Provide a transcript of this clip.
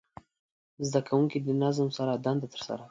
زده کوونکي د نظم سره دنده ترسره کړه.